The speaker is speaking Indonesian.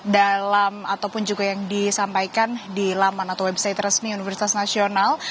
dalam ataupun juga yang disampaikan di laman atau website resmi universitas nasional